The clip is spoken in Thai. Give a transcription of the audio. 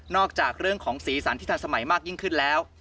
จากเรื่องของสีสันที่ทันสมัยมากยิ่งขึ้นแล้ว